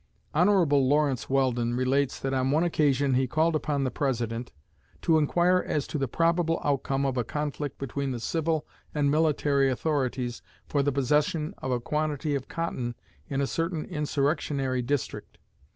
'" Hon. Lawrence Weldon relates that on one occasion he called upon the President to inquire as to the probable outcome of a conflict between the civil and military authorities for the possession of a quantity of cotton in a certain insurrectionary district.